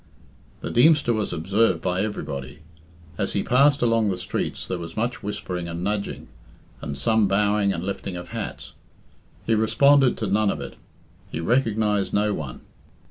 The Deemster was observed by everybody. As he passed along the streets there was much whispering and nudging, and some bowing and lifting of hats. He responded to none of it He recognised no one.